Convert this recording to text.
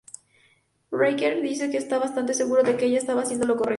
Riker dice que está bastante seguro de que ella estaba haciendo lo correcto.